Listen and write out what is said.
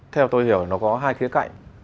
theo tôi hiểu là nó có hai khía cạnh